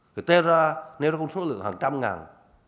người ta ra nếu nó không số lượng hàng trăm ngàn